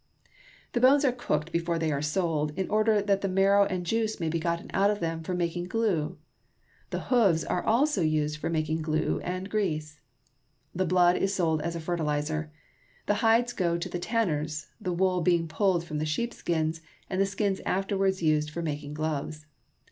The bones are cooked before they are sold, in order that the marrow and juice may be gotten out of them for making glue. The hoofs are also used for making glue and grease. The blood is sold as a fertilizer. The hides go to the tanners, the wool being pulled from the sheepskins, and the skins afterwards used for making gloves.